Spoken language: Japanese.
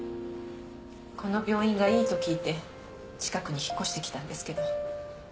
この病院がいいと聞いて近くに引っ越してきたんですけど。